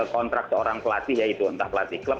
kontrak ke orang pelatih ya itu entah pelatih klub